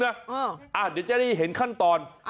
เดี๋ยวจะได้เห็นขั้นตอน